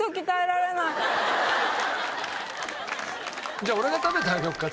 じゃあ俺が食べてあげようか？